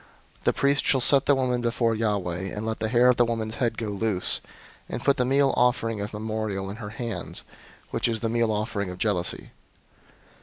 005:018 The priest shall set the woman before Yahweh, and let the hair of the woman's head go loose, and put the meal offering of memorial in her hands, which is the meal offering of jealousy.